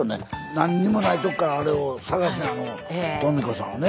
何にもないとこからあれを探すねんあのトミ子さんをね。